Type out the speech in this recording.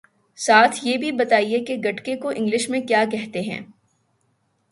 ساتھ یہ بھی بتائیے کہ گٹکے کو انگلش میں کیا کہتے ہیں